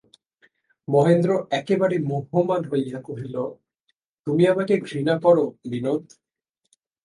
মহেন্দ্র একেবারে মুহ্যমান হইয়া কহিল, তুমি আমাকে ঘৃণা কর, বিনোদ!